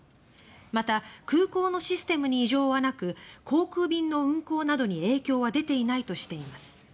また、空港のシステムに異常はなく航空便の運航などに影響は出ていないとしています。